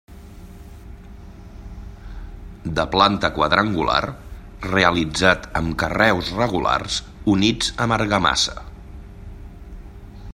De planta quadrangular, realitzat amb carreus regulars units amb argamassa.